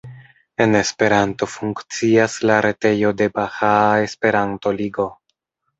En Esperanto funkcias la retejo de Bahaa Esperanto-Ligo.